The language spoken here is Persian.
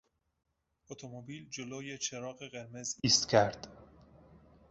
اتومبیل جلو چراغ قرمز ایست کرد.